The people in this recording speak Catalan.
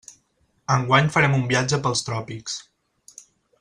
Enguany farem un viatge pels tròpics.